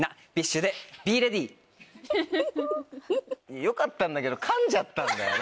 ・フフフ・良かったんだけど噛んじゃったんだよな。